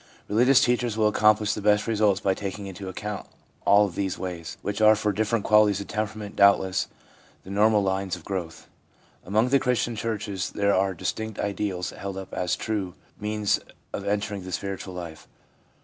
Religious teachers will accomplish the best results by taking into account all these ways, which are for different qualities of temperament, doubtless, the normal lines of growth. Among the Christian churches there are distinct ideals held up as the true means of enter ing the spiritual life.